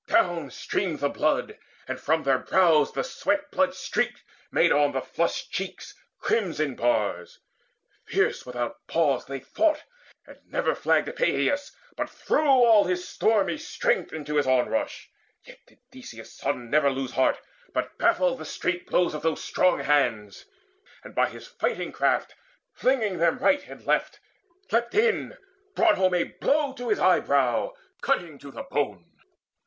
Down streamed the blood, and from their brows the sweat Blood streaked made on the flushed cheeks crimson bars. Fierce without pause they fought, and never flagged Epeius, but threw all his stormy strength Into his onrush. Yet did Theseus' son Never lose heart, but baffled the straight blows Of those strong hands, and by his fighting craft Flinging them right and left, leapt in, brought home A blow to his eyebrow, cutting to the bone.